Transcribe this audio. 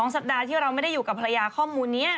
สัปดาห์ที่เราไม่ได้อยู่กับภรรยาข้อมูลนี้